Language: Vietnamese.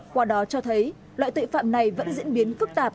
qua đó cho thấy loại tội phạm này vẫn diễn biến phức tạp